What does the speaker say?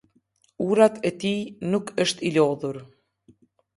Urat e tij nuk është i lodhur.